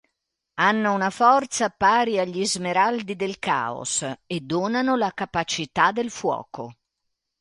Hanno una forza pari agli Smeraldi del Caos e donano la capacità del fuoco.